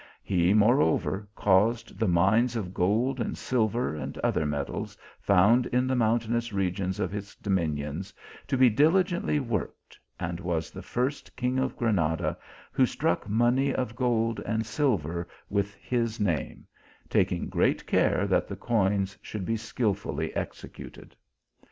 He, moreover, caused the mines of gold and silver, and other metals found in the mountainous regions of his dominions, to be diligently worked, and was the first king of Granada who struck money of gold and silver with his name, taking great care that the coins should be skilfully executed.